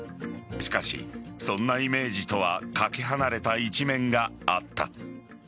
しかし、そんなイメージとはかけ離れた一面があった。